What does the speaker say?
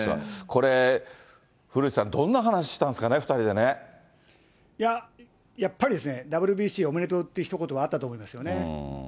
これ、古内さん、どんな話したんやっぱりですね、ＷＢＣおめでとうっていう一言はあったと思いますよね。